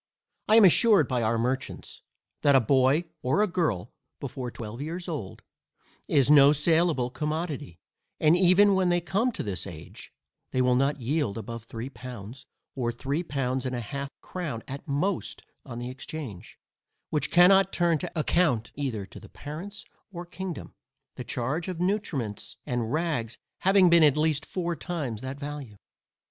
I am assured by our merchants, that a boy or a girl, before twelve years old, is no saleable commodity, and even when they come to this age, they will not yield above three pounds, or three pounds and half a crown at most, on the exchange; which cannot turn to account either to the parents or kingdom, the charge of nutriments and rags having been at least four times that value.